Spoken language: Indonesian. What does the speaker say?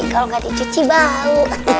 kalau gak dicuci bau